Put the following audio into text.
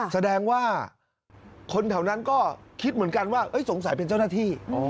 แสดงว่าคนแถวนั้นก็คิดเหมือนกันว่าสงสัยเป็นเจ้าหน้าที่